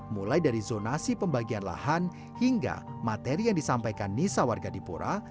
mulai dari zonasi pembagian lahan hingga materi yang disampaikan nisa warga dipura